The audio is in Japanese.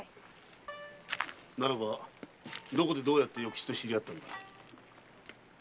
ならばどこでどうやって与吉と知り合ったのだ？